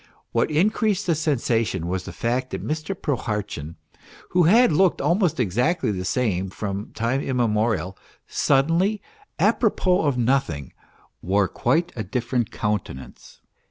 What increased the sensation was the fact that Mr. Prohartchin, who had looked almost exactly the same from time immemorial, suddenly, d propos of nothing, wore quite a different countenance.